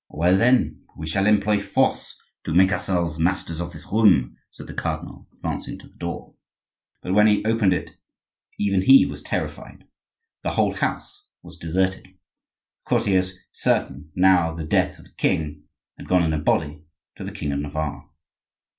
"Well, then, we shall employ force to make ourselves masters of this room," said the cardinal, advancing to the door. But when he opened it even he was terrified; the whole house was deserted! The courtiers, certain now of the death of the king, had gone in a body to the king of Navarre.